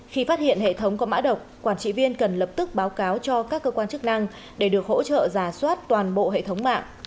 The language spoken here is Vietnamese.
khi phát hiện hệ thống có mã độc quản trị viên cần lập tức báo cáo cho các cơ quan chức năng để được hỗ trợ giả soát toàn bộ hệ thống mạng